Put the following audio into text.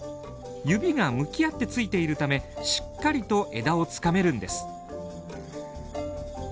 指が向き合って付いているためしっかりと枝をつかめるんです。